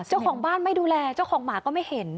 เจ้าของบ้านไม่ดูแลเจ้าของหมาก็ไม่เห็น